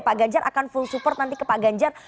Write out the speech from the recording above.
pak ganjar akan full support nanti ke pak ganjar